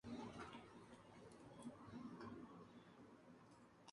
Sistematizó la administración y los impuestos.